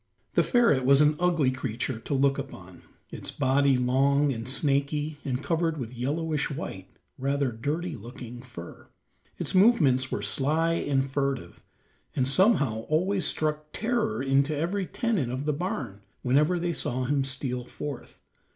The ferret was an ugly creature to look upon, its body long and snaky, and covered with yellowish white, rather dirty looking fur; its movements were sly and furtive, and somehow always struck terror to every tenant of the barn whenever they saw him steal forth.